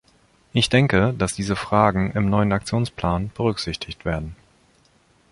Ich denke, dass diese Fragen im neuen Aktionsplan berücksichtigt werden.